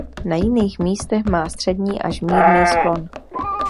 Na jiných místech má střední až mírný sklon.